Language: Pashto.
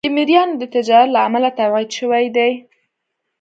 د مریانو د تجارت له امله تبعید شوی دی.